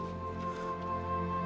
sinilah jelelah mu